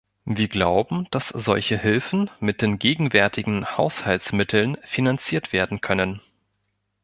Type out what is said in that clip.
Wir glauben, dass solche Hilfen mit den gegenwärtigen Haushaltsmitteln finanziert werden können.